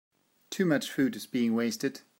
Too much food is being wasted.